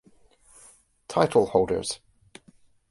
Title holders.